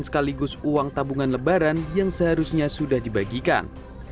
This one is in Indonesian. sekaligus uang tabungan lebaran yang seharusnya sudah dibagikan